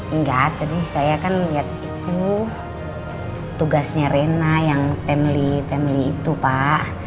enggak tadi saya kan lihat itu tugasnya rena yang family family itu pak